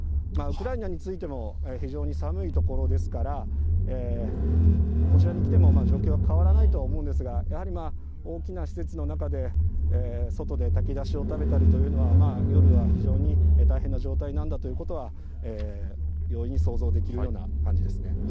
ウクライナについても、非常に寒い所ですから、こちらに来ても、状況は変わらないとは思うんですが、やはり大きな施設の中で、外で炊き出しを食べたりというのは、夜は非常に大変な状態なんだということは、容易に想像できるような感じですね。